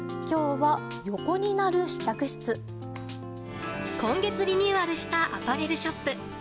今月リニューアルしたアパレルショップ。